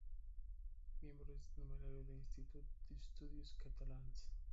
Miembro numerario del Institut d'Estudis Catalans.